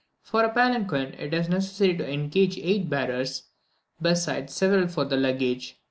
For a palanquin, it is necessary to engage eight bearers, besides several for the luggage.